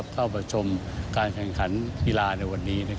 เข้ามาชมการแข่งขันกีฬาในวันนี้